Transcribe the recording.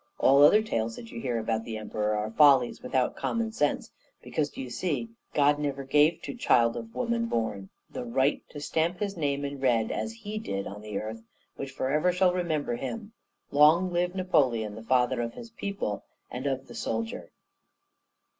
All other tales that you hear about the Emperor are follies without common sense; because, d'ye see, God never gave to child of woman born the right to stamp his name in red as he did, on the earth, which forever shall remember him! Long live Napoleon, the father of his people and of the soldier!"